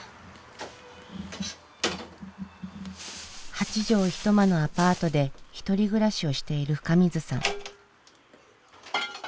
８畳一間のアパートでひとり暮らしをしている深水さん。